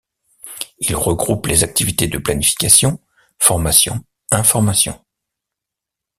Il regroupe les activités de planification, formation, information.